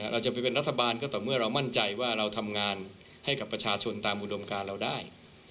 เราจะไปเป็นรัฐบาลก็ต่อเมื่อเรามั่นใจว่าเราทำงานให้กับประชาชนตามอุดมการเราได้